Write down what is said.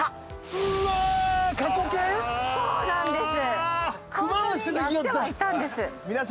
そうなんです。